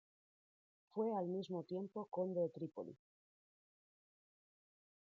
Fue al mismo tiempo conde de Trípoli.